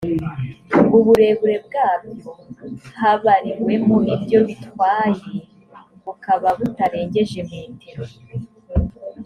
uburebure bwabyo habariwemo ibyo bitwaye bukaba butarengeje metero